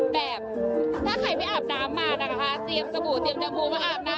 แบบถ้าใครไปอาบน้ำมานะคะเตรียมสบู่เตรียมชมพูมาอาบน้ำ